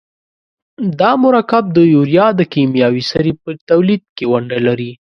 دا مرکب د یوریا د کیمیاوي سرې په تولید کې ونډه لري.